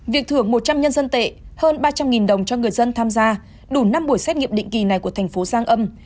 việc thưởng một trăm linh nhân dân tệ hơn ba trăm linh đồng cho người dân tham gia đủ năm buổi xét nghiệm định kỳ này của thành phố giang âm